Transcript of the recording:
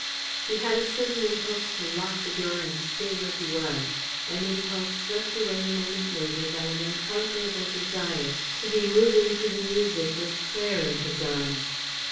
He had a sudden impulse to lock the door and stay where he was; an impulse swept away a moment later by an unconquerable desire to be moving to the music with Claire in his arms.